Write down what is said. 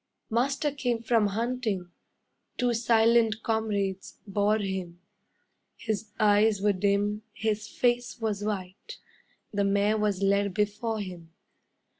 Master came from hunting, Two silent comrades bore him; His eyes were dim, his face was white, The mare was led before him.